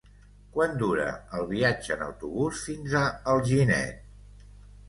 Quant dura el viatge en autobús fins a Alginet?